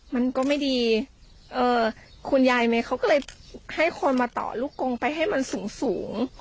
มันก็ไม่ดีเอ่อคุณยายเมย์เขาก็เลยให้คนมาต่อลูกกงไปให้มันสูงสูง